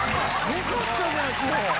よかったじゃん志保！